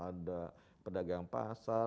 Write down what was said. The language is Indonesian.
ada pedagang pasar